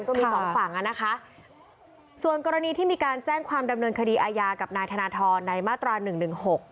ก็มีสองฝั่งอ่ะนะคะส่วนกรณีที่มีการแจ้งความดำเนินคดีอาญากับนายธนทรในมาตราหนึ่งหนึ่งหก